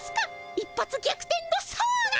一発逆転の相が！